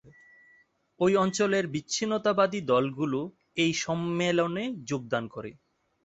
ওই অঞ্চলের বিচ্ছিন্নতাবাদী দলগুলো এই সম্মেলনে যোগদান করে।